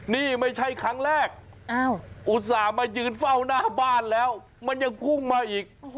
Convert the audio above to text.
นี่ไม่ใช่ครั้งแรกอุตส่าห์มายืนเฝ้าหน้าบ้านแล้วมันยังพุ่งมาอีก